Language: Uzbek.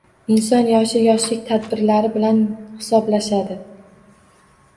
Inson yoshi yoshlik tadbirlari bilan hisoblashadi.